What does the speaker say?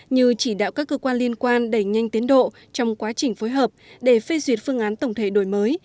như chỉ đạo các cơ quan liên quan đẩy nhanh tiến độ trong quá trình phối hợp để phê duyệt phương án tổng thể đổi mới